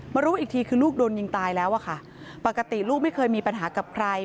รู้อีกทีคือลูกโดนยิงตายแล้วอะค่ะปกติลูกไม่เคยมีปัญหากับใคร